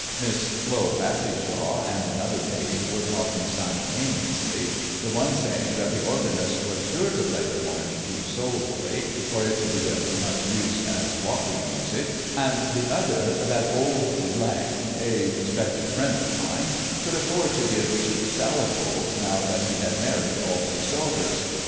Miss Flo Bassishaw and another maid were talking simultaneously, the one saying that the organist was sure to play the march too soulfully for it to be of much use as walking music, and the other that old (a respected friend of mine) could afford to give cheap salad bowls now that he had married all his daughters.